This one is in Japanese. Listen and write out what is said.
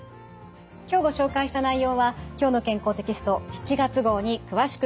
今日ご紹介した内容は「きょうの健康」テキスト７月号に詳しく掲載されています。